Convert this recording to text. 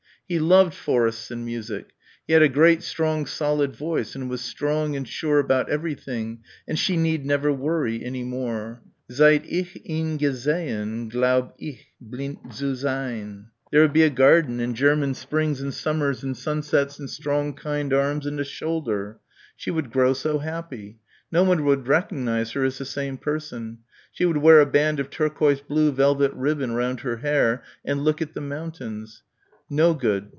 He loved forests and music. He had a great strong solid voice and was strong and sure about everything and she need never worry any more. "Seit ich ihn gesehen Glaub' ich blind zu sein." There would be a garden and German springs and summers and sunsets and strong kind arms and a shoulder. She would grow so happy. No one would recognise her as the same person. She would wear a band of turquoise blue velvet ribbon round her hair and look at the mountains.... No good.